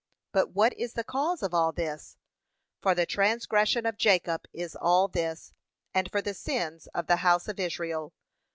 But what is the cause of all this? For the transgression of Jacob is all this, and for the sins of the house of Israel.